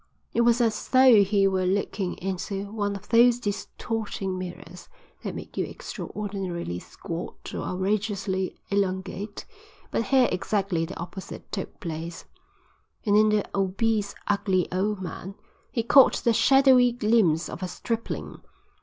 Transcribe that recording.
It was as though he were looking into one of those distorting mirrors that make you extraordinarily squat or outrageously elongate, but here exactly the opposite took place, and in the obese, ugly old man he caught the shadowy glimpse of a stripling.